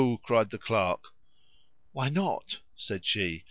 cried the clerk. "Why not?" said she.